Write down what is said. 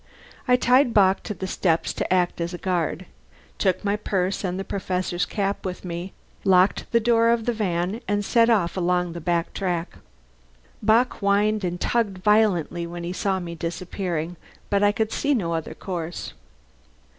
I tied Bock to the steps to act as a guard, took my purse and the Professor's cap with me, locked the door of the van, and set off along the back track. Bock whined and tugged violently when he saw me disappearing, but I could see no other course.